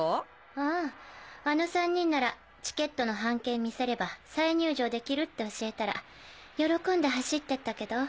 あああの３人ならチケットの半券見せれば再入場できるって教えたら喜んで走ってったけど。